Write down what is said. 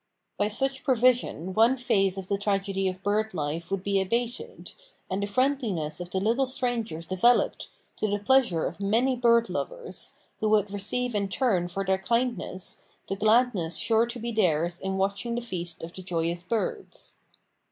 By such provision one phase of the tragedy of bird life would be abated, and the friendliness of the little strangers developed, to the pleasure of many bird lovers, who would receive in return for their kindness the gladness sure to be theirs in watching the feast of the joyous birds.